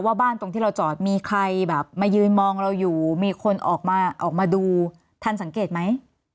บ้านตรงที่เราจอดมีใครแบบมายืนมองเราอยู่มีคนออกมาออกมาดูทันสังเกตไหม